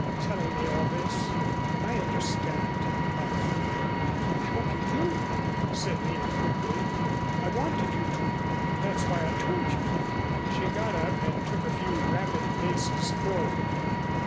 "Telling me all this. I understand, I think." "I hope you do," said Nina quickly. "I wanted you to. That's why I told you." She got up and took a few rapid paces forward.